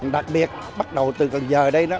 đặc biệt bắt đầu từ cần giờ đây đó